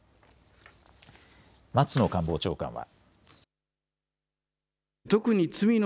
松野官房長官は。